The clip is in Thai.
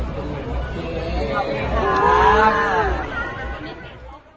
ขอบคุณค่ะ